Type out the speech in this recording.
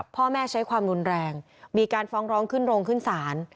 พ่อแม่ใช้ความรุนแรงมีการฟ้องร้องขึ้นโรงขึ้นศาล